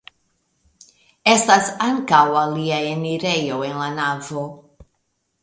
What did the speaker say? Estas ankaŭ alia enirejo en la navo.